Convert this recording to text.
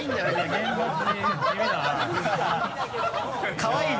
かわいいな。